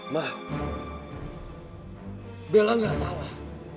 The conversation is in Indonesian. ma bella gak salah